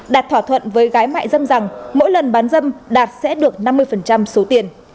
đạt thỏa thuận với gái mại dâm rằng mỗi lần bán dâm đạt sẽ được năm mươi số tiền